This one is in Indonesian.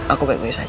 aku baik baik saja